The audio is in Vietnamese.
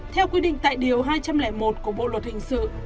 theo quy định tại điều hai trăm linh một của bộ luật hình sự